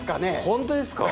ホントですか？